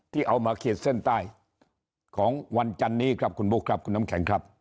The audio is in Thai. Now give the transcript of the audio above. เอามาขีดเส้นใต้ของวันจันนี้ครับคุณบุ๊คครับคุณน้ำแข็งครับ